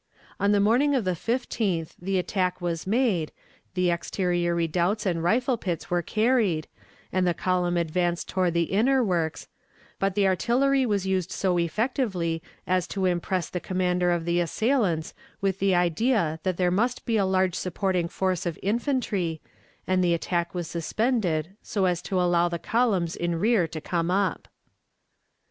On the morning of the 15th the attack was made, the exterior redoubts and rifle pits were carried, and the column advanced toward the inner works, but the artillery was used so effectively as to impress the commander of the assailants with the idea that there must be a large supporting force of infantry, and the attack was suspended so as to allow the columns in rear to come up.